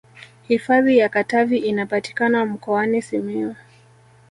hifadhi ya katavi inapatikana mkoani simiyu